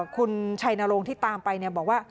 คุณชัยนรงค์ที่ตามไปบอกว่า